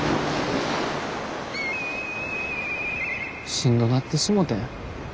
しんどなってしもてん。